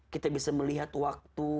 kita bisa melihat waktu